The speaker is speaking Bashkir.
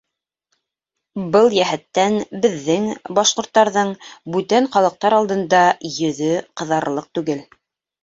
Был йәһәттән беҙҙең, башҡорттарҙың, бүтән халыҡтар алдында йөҙө ҡыҙарырлыҡ түгел.